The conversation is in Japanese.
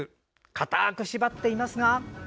固く縛っていますが。